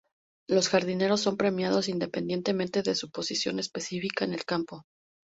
Los jardineros son premiados independientemente de su posición específica en el campo.